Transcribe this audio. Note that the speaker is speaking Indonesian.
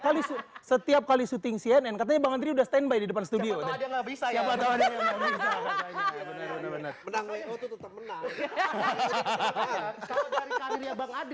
kali setiap kali syuting cnn katanya bang andri udah standby di depan studio nggak bisa ya bener